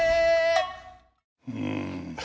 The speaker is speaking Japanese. うん